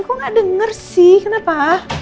kok gak denger sih kenapa